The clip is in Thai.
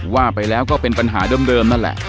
ว่าไปแล้วก็เป็นปัญหาเดิมนั่นแหละ